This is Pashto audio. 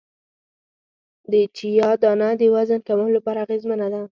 د چیا دانه د وزن کمولو لپاره اغیزمنه ده